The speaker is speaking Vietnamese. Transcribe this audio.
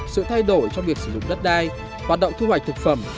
sự thay đổi trong việc sử dụng đất đai hoạt động thu hoạch thực phẩm